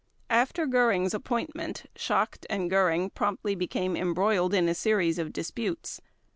After Göring's appointment, Schacht and Göring promptly became embroiled in a series of disputes.